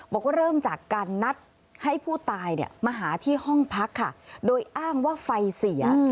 บอกว่าเริ่มจากการนัดให้ผู้ตายมาหาที่ห้องพักค่ะโดยอ้างว่าไฟเสีย